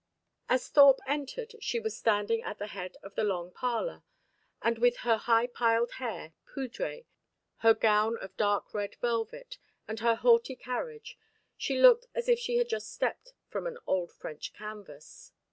As Thorpe entered, she was standing at the head of the long parlour; and with her high piled hair, poudré, her gown of dark red velvet, and her haughty carriage, she looked as if she had just stepped from an old French canvas.